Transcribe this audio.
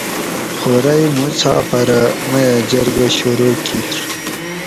خورئی مسافرہ میہ جرگہ شروع کیر